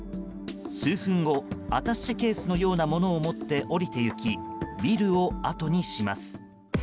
数分後アタッシェケースのようなものを持って降りていきビルをあとにします。